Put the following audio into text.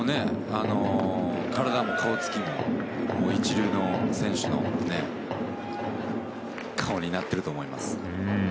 体も顔つきも一流の選手の顔になっていると思います。